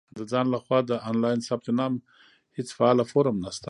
• د ځان له خوا د آنلاین ثبت نام هېڅ فعاله فورم نشته.